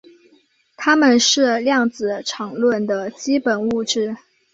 它们是量子场论的基本物质。